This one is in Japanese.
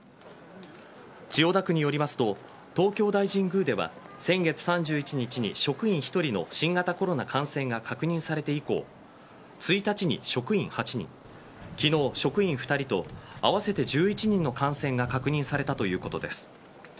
千代田区によりますと東京大神宮では先月３１日に職員１人の新型コロナ感染が確認されて以降１日に職員８人昨日、職員２人と合わせて１１人の感染が確認されたということです。